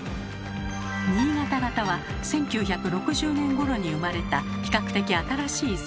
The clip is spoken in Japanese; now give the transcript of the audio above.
新潟型は１９６０年ごろに生まれた比較的新しいせんべい。